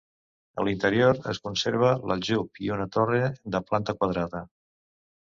A l'interior es conserva l'aljub i una torre de planta quadrada.